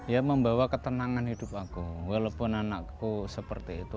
ya membawa ketenangan hidup aku walaupun anakku seperti itu